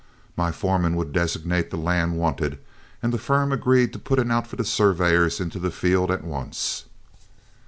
My foreman would designate the land wanted, and the firm agreed to put an outfit of surveyors into the field at once.